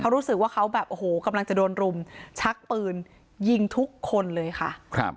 รู้สึกว่าเขาแบบโอ้โหกำลังจะโดนรุมชักปืนยิงทุกคนเลยค่ะ